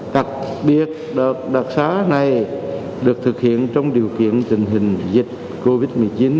cạch biệt đợt đặc giá này được thực hiện trong điều kiện tình hình dịch covid một mươi chín